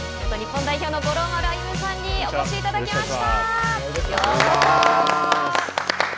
久しぶりに日本代表の五郎丸歩さんにお越しいただきました。